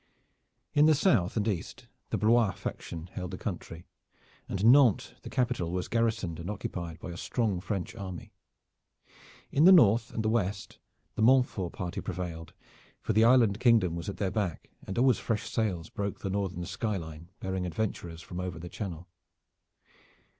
In the south and east the Blois faction held the country, and Nantes the capital was garrisoned and occupied by a strong French army. In the north and west the Montfort party prevailed, for the island kingdom was at their back and always fresh sails broke the northern sky line bearing adventurers from over the channel.